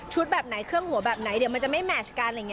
ชุดแบบไหนเครื่องหัวแบบไหนเดี๋ยวมันจะไม่แมชกัน